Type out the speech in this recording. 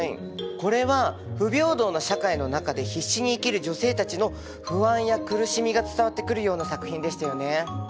これは不平等な社会の中で必死に生きる女性たちの不安や苦しみが伝わってくるような作品でしたよね。